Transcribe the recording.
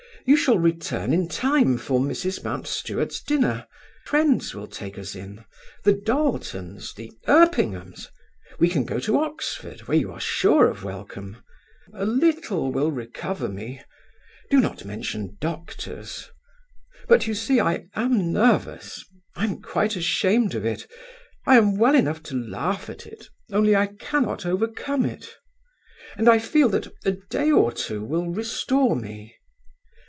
You shall return in time for Mrs. Mountstuart's dinner. Friends will take us in, the Darletons, the Erpinghams. We can go to Oxford, where you are sure of welcome. A little will recover me. Do not mention doctors. But you see I am nervous. I am quite ashamed of it; I am well enough to laugh at it, only I cannot overcome it; and I feel that a day or two will restore me.